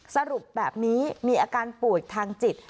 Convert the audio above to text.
สรุปแบบนี้มีอาการป่วยทางจิต